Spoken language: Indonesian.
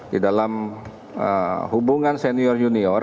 di dalam hubungan senior junior